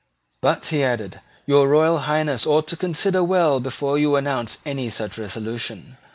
"But," he added, "your Royal Highness ought to consider well before you announce any such resolution.